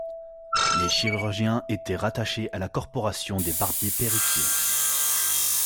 Les chirurgiens étaient rattachés à la corporation des barbiers-perruquiers.